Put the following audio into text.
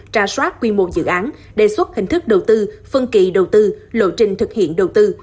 ra soát quy mô dự án đề xuất hình thức đầu tư phân kỳ đầu tư lộ trình thực hiện đầu tư